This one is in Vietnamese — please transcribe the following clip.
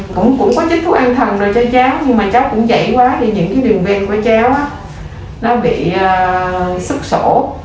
cũng có chích thuốc an thần rồi cho cháu nhưng mà cháu cũng dậy quá thì những cái đường ven của cháu nó bị sức sổ